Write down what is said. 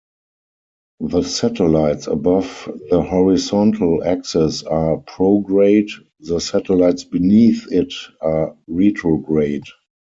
The satellites above the horizontal axis are prograde, the satellites beneath it are retrograde.